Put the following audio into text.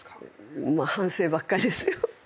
まあ反省ばっかりですよ。